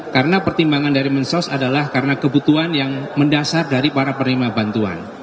karena pertimbangan dari mensos adalah karena kebutuhan yang mendasar dari para penerima bantuan